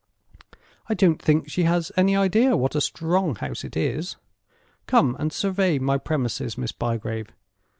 I don't think she has any idea what a strong house it is. Come and survey my premises, Miss Bygrave.